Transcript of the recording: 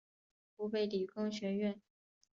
湖北理工学院